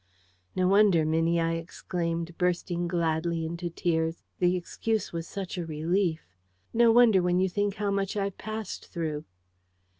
"No wonder, Minnie," I exclaimed, bursting gladly into tears the excuse was such a relief "no wonder, when you think how much I've passed through!"